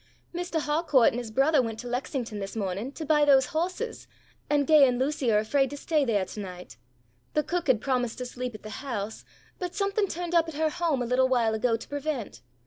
"Mistah Harcourt and his brothah went to Lexington this mawning to buy those hawses, and Gay and Lucy are afraid to stay there tonight. The cook had promised to sleep at the house, but something turned up at her home a little while ago to prevent.